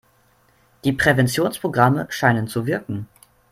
Die Präventionsprogramme scheinen zu wirken.